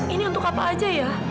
ini untuk apa aja ya